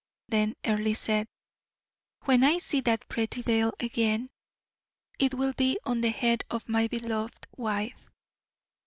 Then Earle said: "When I see that pretty veil again, it will be on the head of my beloved wife."